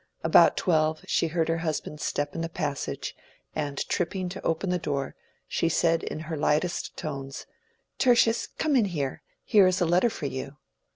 About twelve she heard her husband's step in the passage, and tripping to open the door, she said in her lightest tones, "Tertius, come in here—here is a letter for you."